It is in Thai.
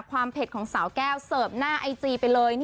เผ็ดของสาวแก้วเสิร์ฟหน้าไอจีไปเลย